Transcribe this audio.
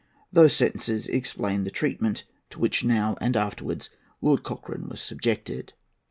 Those sentences explain the treatment to which, now and afterwards, Lord Cochrane was subjected.